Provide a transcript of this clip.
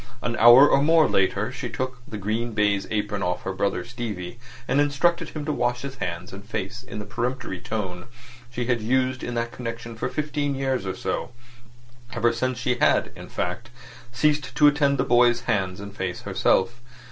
An hour or more later she took the green baize apron off her brother Stevie, and instructed him to wash his hands and face in the peremptory tone she had used in that connection for fifteen years or so—ever since she had, in fact, ceased to attend to the boy's hands and face herself.